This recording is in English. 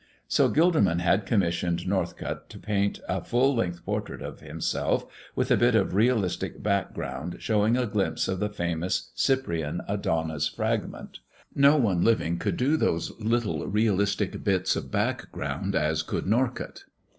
So Gilderman had commissioned Norcott to paint a full length portrait of himself with a bit of realistic background showing a glimpse of the famous Cyprian Adonis fragment. No one living could do those little realistic bits of background as could Norcott.